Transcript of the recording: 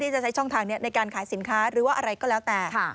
จะใช้ช่องทางนี้ในการขายสินค้าหรือว่าอะไรก็แล้วแต่